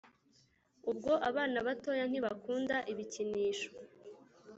Ubwo abana batoya ntibakunda ibikinisho